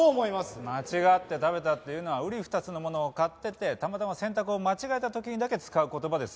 間違って食べたっていうのはうり二つのものを買っててたまたま選択を間違えた時にだけ使う言葉です。